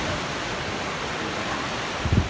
สวัสดีครับ